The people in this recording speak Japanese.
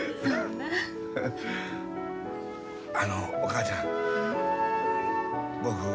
あのお母ちゃん僕